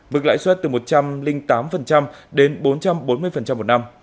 mức lãi suất từ một trăm linh tám đến bốn trăm bốn mươi một năm